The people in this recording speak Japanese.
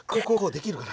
できるかな？